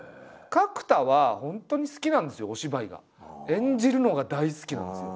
演じるのが大好きなんですよ。